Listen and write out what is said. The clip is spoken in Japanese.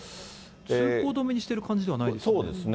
通行止めにしてる感じではないですね。